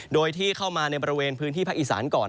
โดยที่เข้ามาในบริเวณพื้นที่ภาคอีสานก่อน